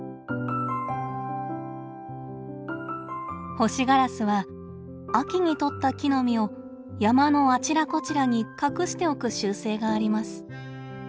ホシガラスは秋にとった木の実を山のあちらこちらに隠しておく習性があります。